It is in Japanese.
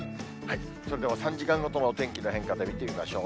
それでは３時間ごとのお天気の変化で見てみましょう。